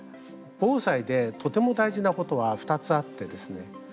防災でとても大事なことは２つあってですね